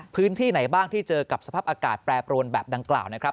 พื้นที่ไหนบ้างที่เจอกับสภาพอากาศแปรปรวนแบบดังกล่าวนะครับ